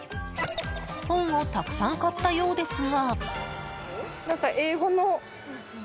本をたくさん買ったようですが。